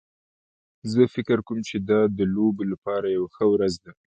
زه فکر کوم چې دا د لوبو لپاره یوه ښه ورځ ده